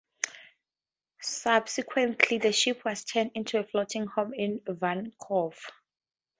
Subsequently, the ship was turned into a floating home in Vancouver.